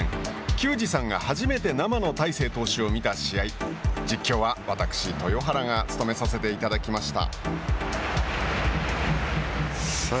球児さんが初めて生の大勢投手を見た試合実況は私、豊原が務めさせていただきました。